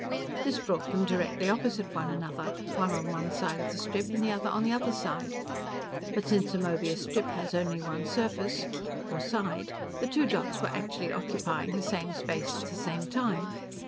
This brought them directly opposite one another one on one side of the strip, the other on the other side; but since a Möbius strip has only one surface or side the two dots were actually occupying the same space at the same time.